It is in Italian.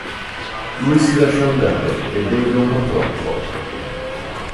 Lui si lascia andare e beve un po' troppo.